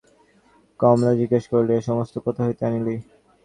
কমলা জিজ্ঞাসা করিল, এ-সমস্ত কোথা হইতে আনিলি?